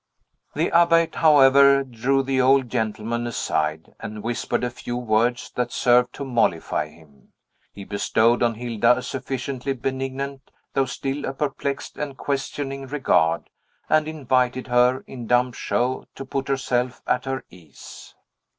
The abbate, however, drew the old gentleman aside, and whispered a few words that served to mollify him; he bestowed on Hilda a sufficiently benignant, though still a perplexed and questioning regard, and invited her, in dumb show, to put herself at her ease.